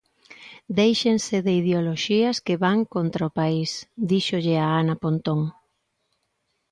Déixense de ideoloxías que van contra o país, díxolle a Ana Pontón.